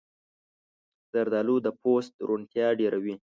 زردالو د پوست روڼتیا ډېروي.